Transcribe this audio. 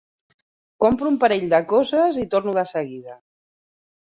Compro un parell de coses i torno de seguida.